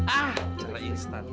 ah cara instan